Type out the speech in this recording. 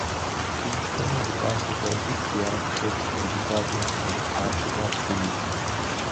Къыумыщтэну жыпӀатэкъэ, сыт си ахъшэр уи гуфӀакӀэм щӀыдэплъхьар? - жиӀащ беижьым.